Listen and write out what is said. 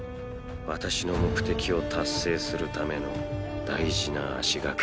私の目的を達成するための大事な足がかりとして。